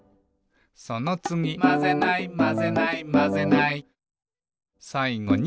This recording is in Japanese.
「そのつぎ」「『まぜない』『まぜない』『まぜない』」「さいごに」